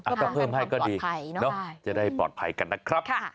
ก็เพิ่มให้ก็ดีจะได้ปลอดภัยกันนะครับ